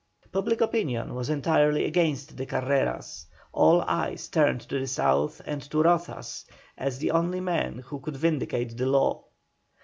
Public opinion was entirely against the Carreras, all eyes turned to the South and to Rozas as the only man who could vindicate the law.